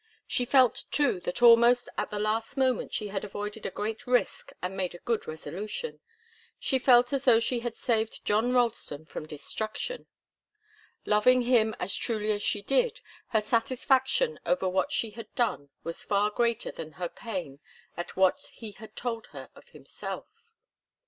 She felt, too, that almost at the last moment she had avoided a great risk and made a good resolution she felt as though she had saved John Ralston from destruction. Loving him as truly as she did, her satisfaction over what she had done was far greater than her pain at what he had told her of himself.